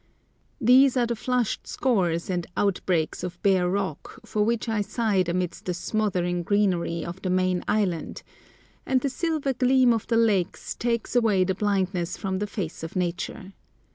These are the flushed scaurs and outbreaks of bare rock for which I sighed amidst the smothering greenery of the main island, and the silver gleam of the lakes takes away the blindness from the face of nature.